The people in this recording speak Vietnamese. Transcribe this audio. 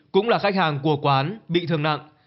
cũng là khách hàng của quán bị thương nặng